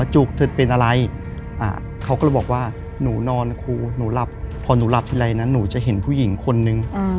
หนูหลับพอหนูหลับทีไรนะหนูจะเห็นผู้หญิงคนนึง